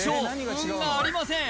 運がありません！